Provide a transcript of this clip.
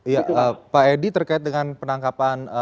ya pak edi terkait dengan penangkapan